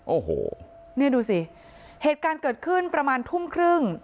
โอ้โหเนี่ยดูสิเหตุการณ์เกิดขึ้นประมาณทุ่มครึ่ง